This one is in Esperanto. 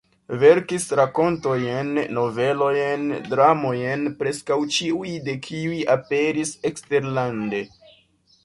Verkis rakontojn, novelojn, dramojn, preskaŭ ĉiuj de kiuj aperis eksterlande.